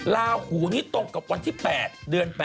ลาหูนี้ตรงกับวันที่๘เดือน๘